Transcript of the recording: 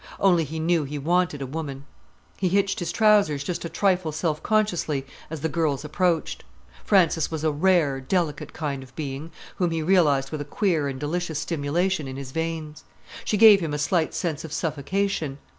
Only he knew he wanted a woman. He hitched his trousers just a trifle self consciously as the girls approached. Frances was a rare, delicate kind of being, whom he realized with a queer and delicious stimulation in his veins. She gave him a slight sense of suffocation.